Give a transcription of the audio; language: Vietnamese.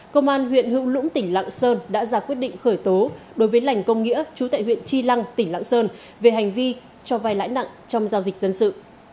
công an huyện hữu lũng tỉnh lạng sơn đã ra quyết định khởi tố đối với lành công nghĩa chú tại huyện chi lăng tỉnh lạng sơn về hành vi cho vai lãi nặng trong giao dịch dân sự